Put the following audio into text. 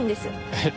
えっ？